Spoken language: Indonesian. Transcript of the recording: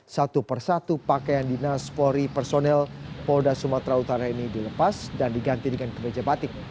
satu persatu pakaian dinas polri personel polda sumatera utara ini dilepas dan diganti dengan kemeja batik